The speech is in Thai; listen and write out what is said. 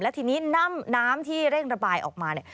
และทีนี้น้ำที่เร่งระบายออกมา